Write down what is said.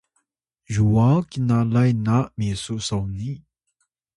yuwaw kinnalay na misu soni